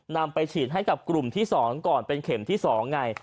นำไปฉีดให้กับกลุ่มที่๒ก่อนเป็นเข็มที่๒ไง